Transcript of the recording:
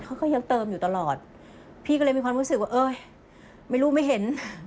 เขาก็ยังเติมอยู่ตลอดพี่ก็เลยมีความรู้สึกว่าเอ้ยไม่รู้ไม่เห็น